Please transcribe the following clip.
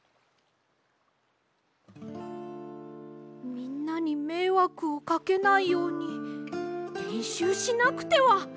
みんなにめいわくをかけないようにれんしゅうしなくては！